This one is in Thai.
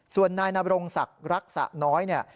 ส่วนนายนบรงศักดิ์รักษณ์น้อย